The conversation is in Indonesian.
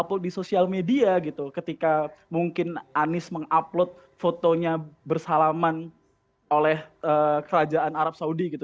upload di sosial media gitu ketika mungkin anies mengupload fotonya bersalaman oleh kerajaan arab saudi gitu